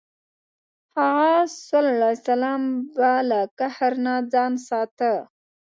هغه ﷺ به له قهر نه ځان ساته.